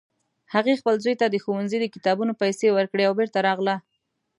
هغې خپل زوی ته د ښوونځي د کتابونو پیسې ورکړې او بیرته راغله